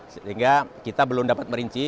sehingga kita belum dapat merinci